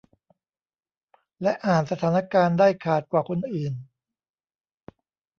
และอ่านสถานการณ์ได้ขาดกว่าคนอื่น